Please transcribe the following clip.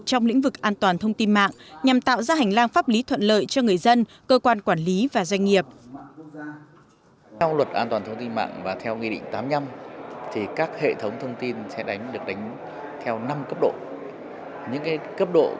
trong lĩnh vực an toàn thông tin mạng nhằm tạo ra hành lang pháp lý thuận lợi cho người dân cơ quan quản lý và doanh nghiệp